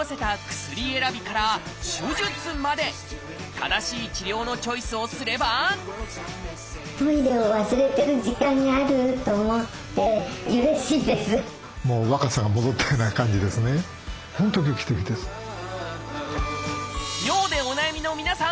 正しい治療のチョイスをすれば尿でお悩みの皆さん！